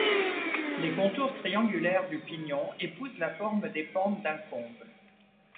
Les contours triangulaires du pignon épousent la forme des pentes d'un comble.